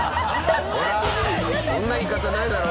そんな言い方ないだろ。